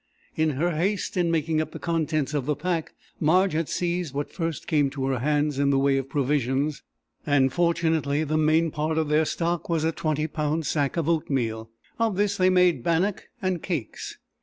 In her haste in making up the contents of the pack Marge had seized what first came to her hands in the way of provisions, and fortunately the main part of their stock was a 20 pound sack of oatmeal. Of this they made bannock and cakes.